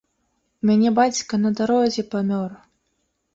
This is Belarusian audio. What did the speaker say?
У мяне бацька на дарозе памёр!